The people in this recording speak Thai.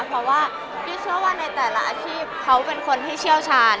เพราะว่าพี่เชื่อว่าในแต่ละอาชีพเขาเป็นคนที่เชี่ยวชาญ